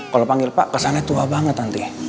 kalau panggil pak kesannya tua banget nanti